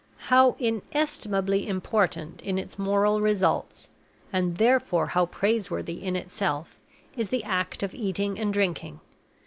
How inestimably important in its moral results and therefore how praiseworthy in itself is the act of eating and drinking!